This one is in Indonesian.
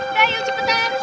udah ayo cepetan